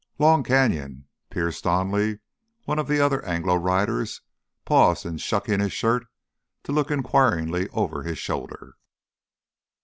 "Long Canyon—" Perse Donally, one of the other Anglo riders, paused in shucking his shirt to look inquiringly over his shoulder.